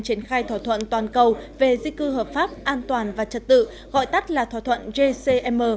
triển khai thỏa thuận toàn cầu về di cư hợp pháp an toàn và trật tự gọi tắt là thỏa thuận jcm